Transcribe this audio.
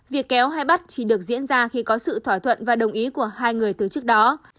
việc kéo hay bắt chỉ được diễn ra khi có sự thỏa thuận và đồng ý của hai người từ trước đó